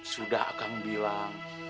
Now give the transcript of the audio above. sudah kang bilang